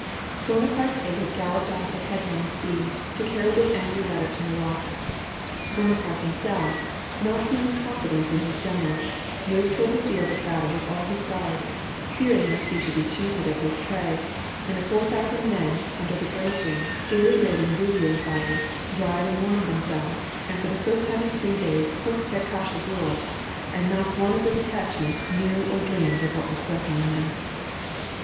* Bonaparte's aid galloped off at headlong speed, to carry this angry letter to Murat. Bonaparte himself, not feeling confi dence in his generals, moved toward the field of battle with all his guards, fearing lest he should be cheated of his prey, and the four thousand men under Bagration, gayly building bivouac tires, dried and warmed themselves, and for the first time in three days cooked their kasha gruel, and not one of the detach ment knew or dreamed of what was threatening them.